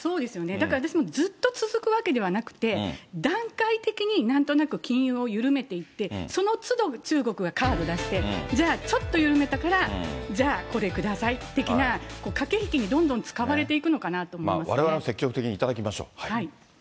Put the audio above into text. だから私も、ずっと続くわけではなくて、段階的になんとなく禁輸を緩めていって、そのつど中国はカード出して、じゃあ、ちょっと緩めたから、じゃあこれ下さい的な、駆け引きにどんどん使われていくのかなとわれわれは積極的に頂きまし